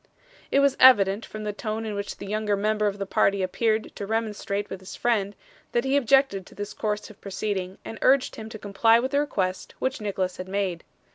It was evident from the tone in which the younger member of the party appeared to remonstrate with his friend, that he objected to this course of proceeding, and urged him to comply with the request which Nicholas had made.